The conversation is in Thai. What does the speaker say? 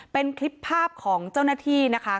เป็นคลิปภาพของเจ้าหน้าที่นะคะ